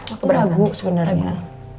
aku ragu sebenarnya